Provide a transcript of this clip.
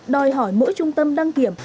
đòi hỏi mỗi trung tâm đăng kiểm